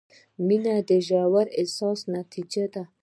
• مینه د ژور احساس نتیجه ده.